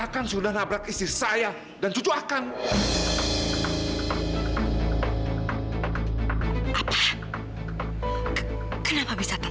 kamu tuh tosokan gak sih